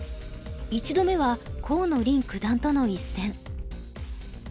１度目は河野臨九段との一戦。